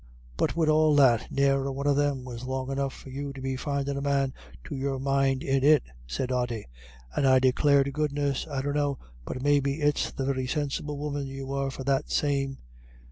"But wid all that, ne'er a one of them was long enough for you to be findin' a man to your mind in it," said Ody. "And I declare to goodness I dunno but maybe it's the very sinsible woman you were for that same.